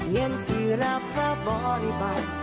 เย็นสีราบกระบ่อได้ออก